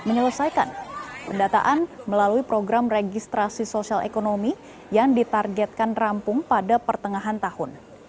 dan menyelesaikan pendataan melalui program registrasi sosial ekonomi yang ditargetkan rampung pada pertengahan tahun